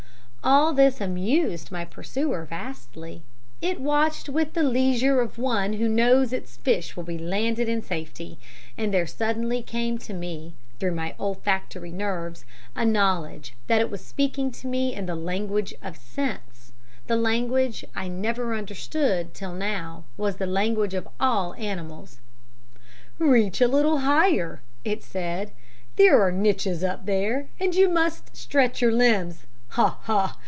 All this amused my pursuer vastly; it watched with the leisure of one who knows its fish will be landed in safety, and there suddenly came to me, through my olfactory nerves, a knowledge that it was speaking to me in the language of scents the language I never understood till now was the language of all animals. "'Reach, a little higher,' it said; 'there are niches up there, and you must stretch your limbs. Ha! ha!